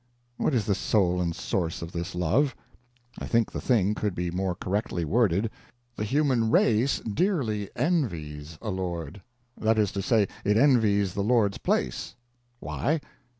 What is the soul and source of this love? I think the thing could be more correctly worded: "The human race dearly envies a lord." That is to say, it envies the lord's place. Why?